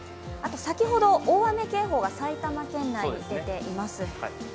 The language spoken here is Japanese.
先ほど、大雨警報が埼玉県内に出ています。